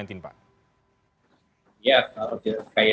ya saya harus jelaskan lagi ya